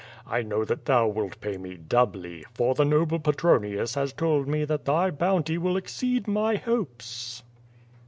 I know that thou wilt pay me doubly, for the noble Petronius has told me that thy bounty will exceed my hopes."